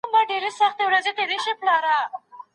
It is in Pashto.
که تاسو ته داسي څوک درسي څه بايد وکړئ؟